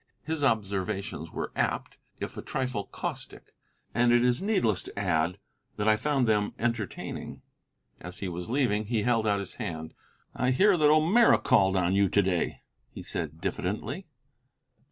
His observations were apt, if a trifle caustic, and it is needless to add that I found them entertaining. As he was leaving he held out his hand. "I hear that O'Meara called on you to day," he said diffidently.